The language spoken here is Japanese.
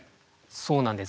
そうなんです。